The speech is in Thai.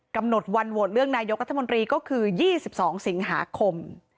กำหนดวันโหวตเลือกนายกรัฐมนตรีก็คือ๒๒สิงหาคม